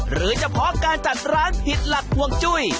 หรือเฉพาะการจัดร้านผิดหลักห่วงจุ้ย